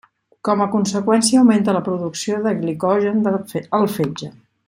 Com a conseqüència augmenta la producció de glicogen al fetge.